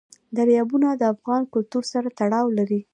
دریابونه د افغان کلتور سره تړاو لري.